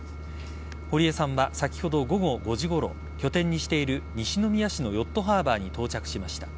堀江さんは先ほど午後５時ごろ拠点にしている西宮市のヨットハーバーに到着しました。